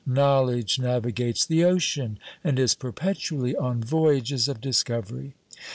Knowledge navigates the ocean, and is perpetually on voyages of discovery.